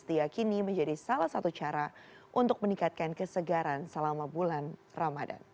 diakini menjadi salah satu cara untuk meningkatkan kesegaran selama bulan ramadan